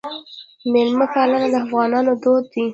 میلمه پالنه د افغانانو دود دی